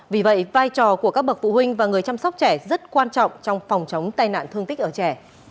vì vậy vai trò của các bậc phụ huynh và người chăm sóc trẻ rất quan trọng trong phòng chống tai nạn thương tích ở trẻ